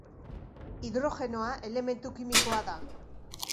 Hidrogenoa elementu kimikoa da.